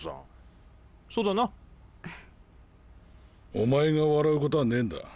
お前が笑うことはねえんだ。